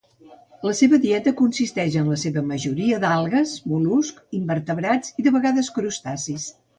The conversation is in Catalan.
La seva dieta consisteix en la seva majoria d'algues, mol·luscs, invertebrats i de vegades crustacis.